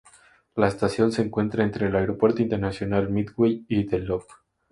La estación se encuentra entre el Aeropuerto Internacional Midway y The Loop.